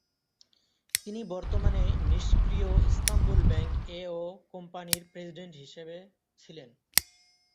তিনি বর্তমানে নিষ্ক্রিয় ইস্তাম্বুল ব্যাংক এও কোম্পানির প্রেসিডেন্ট হিসাবে ছিলেন।